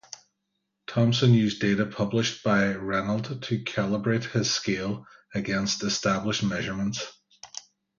Thomson used data published by Regnault to calibrate his scale against established measurements.